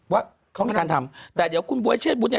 ว่าเขามีการทำแต่เดี๋ยวคุณบ๊วยเชฟบุญ